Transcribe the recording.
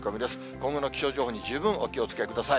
今後の気象情報に十分お気をつけください。